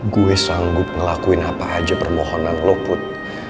gue sanggup ngelakuin apa aja permohonan lo put